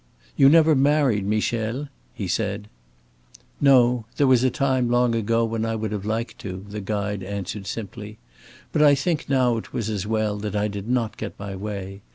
"You never married, Michel?" he said. "No. There was a time, long ago, when I would have liked to," the guide answered, simply. "But I think now it was as well that I did not get my way.